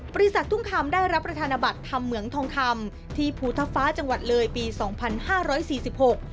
ทุ่งคำได้รับประธานบัตรธรรมเหมืองทองคำที่ภูทฟ้าจังหวัดเลยปีสองพันห้าร้อยสี่สิบหก